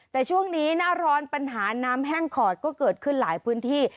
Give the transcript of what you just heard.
แต่ช่วงนี้หน้าร้อนปัญหาน้ำแห้งขอดก็เกิดขึ้นหลายพื้นที่